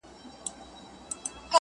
کور مي د بلا په لاس کي وليدی,